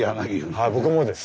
はい僕もです。